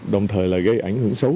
đồng thời là gây ảnh hưởng xấu